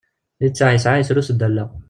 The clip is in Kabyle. Lisseɛ yesɛa yesrus-d allaɣ.